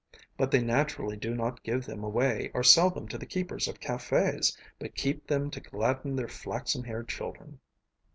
But they naturally do not give them away or sell them to the keepers of cafés, but keep them to gladden their flaxen haired children.